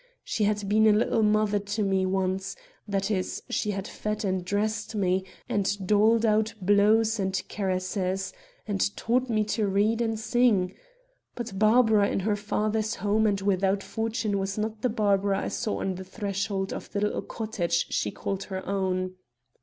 She had been a little mother to me once; that is, she had fed and dressed me, and doled out blows and caresses, and taught me to read and sing. But Barbara in her father's home and without fortune was not the Barbara I saw on the threshold of the little cottage she called her own.